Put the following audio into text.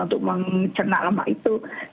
untuk mencernak lemak itu